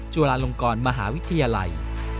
จุฬาลงกรมหาวิทยาลัย